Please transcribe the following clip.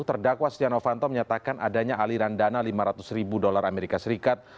terdakwa stiano fanto menyatakan adanya aliran dana lima ratus ribu dolar amerika serikat